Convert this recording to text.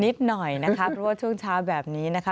นิดหน่อยนะคะเพราะว่าช่วงเช้าแบบนี้นะคะ